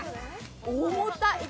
重たい。